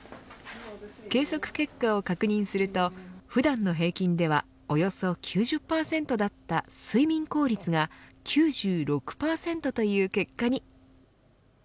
計測結果を確認すると普段の平均ではおよそ９０％だった睡眠効率が９６％という結果に。